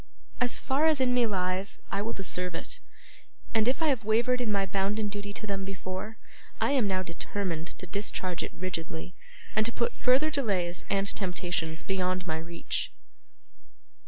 As far as in me lies, I will deserve it, and if I have wavered in my bounden duty to them before, I am now determined to discharge it rigidly, and to put further delays and temptations beyond my reach.